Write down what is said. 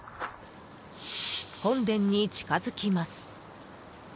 本殿に近づきます。